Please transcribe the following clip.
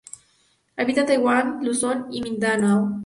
Habita en Taiwán, Luzón y Mindanao.